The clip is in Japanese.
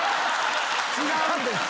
違うんです